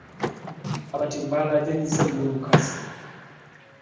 Abatemu baalaajanyizza nnyo omukazi.